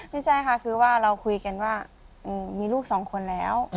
ไม่ใช่ค่ะคือว่าเราคุยกันว่ามีลูกสองคนแล้ว